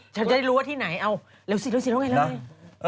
ชัยจะรู้ว่าที่ไหนเอาเร็วสิเร็วไง